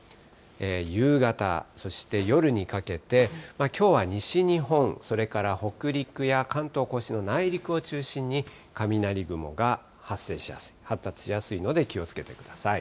夕方、そして夜にかけて、きょうは西日本、それから北陸や関東甲信の内陸を中心に、雷雲が発生しやすい、発達しやすいので気をつけてください。